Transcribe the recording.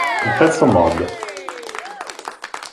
Il pezzo Mod.